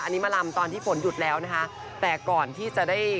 อันนี้มาลำตอนที่ฝนหยุดแล้วนะคะแต่ก่อนที่จะได้